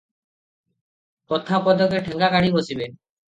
କଥା ପଦକେ ଠେଙ୍ଗା କାଢ଼ି ବସିବେ ।